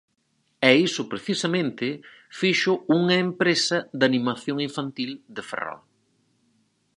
E iso precisamente fixo unha empresa de animación infantil de Ferrol.